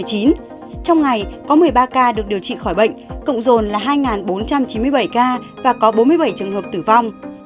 trong ngày có một mươi ba ca được điều trị khỏi bệnh cộng dồn là hai bốn trăm chín mươi bảy ca và có bốn mươi bảy trường hợp tử vong